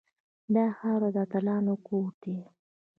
دا خاوره د اتلانو کور دی